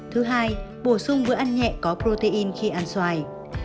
thứ hai bổ sung bữa ăn nhẹ có protein khi ăn xoài